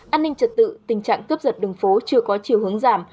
an ninh trật tự tình trạng cướp giật đường phố chưa có chiều hướng giảm